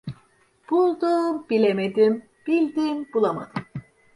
Buldum bilemedim, bildim bulamadım.